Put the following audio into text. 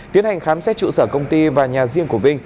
tiến hành khám xét trụ sở công ty và nhà riêng của vinh